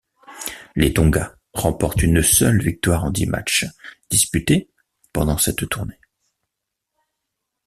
Les Tonga remportent une seule victoire en dix matchs disputés pendant cette tournée.